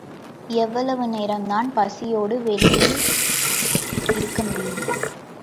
எவ்வளவு நேரந்தான் பசியோடு வெளியில் இருக்க முடியும்?